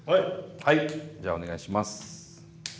はいじゃあお願いします。